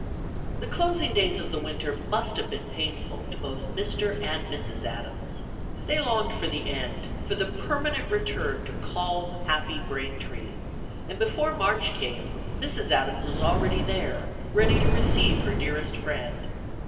The closing days of the winter must have been painful to both Mr. and Mrs. Adams. They longed for the end, for the permanent return to "calm, happy Braintree," and before March came, Mrs. Adams was already there, ready to receive her dearest friend.